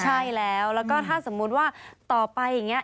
ใช่แล้วแล้วก็ถ้าสมมุติว่าต่อไปอย่างนี้